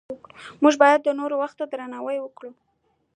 موږ باید د نورو وخت ته درناوی وکړو